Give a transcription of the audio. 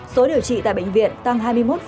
số điều trị tại bệnh viện tăng hai mươi một